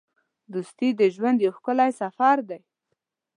دوستي د ژوند یو ښکلی سفر دی.